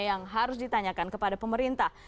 yang harus ditanyakan kepada pemerintah